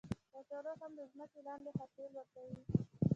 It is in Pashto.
کچالو هم د ځمکې لاندې حاصل ورکوي